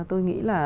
tôi nghĩ là